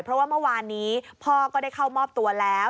เพราะว่าเมื่อวานนี้พ่อก็ได้เข้ามอบตัวแล้ว